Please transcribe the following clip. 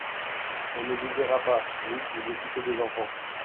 On ne vous verra pas, vous, vous occuper des enfants.